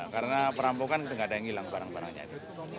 karena perampokan kita tidak ada yang hilang barang barangnya itu